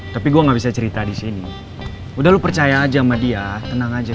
tapi gue gak bisa cerita di sini udah lu percaya aja sama dia tenang aja